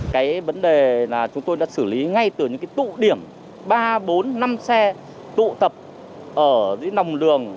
cái vấn đề là chúng tôi đã xử lý ngay từ những cái tụ điểm ba bốn năm xe tụ tập ở dưới lòng đường